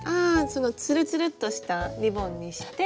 そのつるつるっとしたリボンにして。